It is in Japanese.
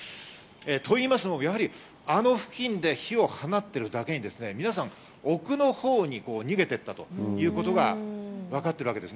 と言いますのもあの付近で火を放ってるだけに、皆さん、奥のほうに逃げて行ったということがわかってるわけです。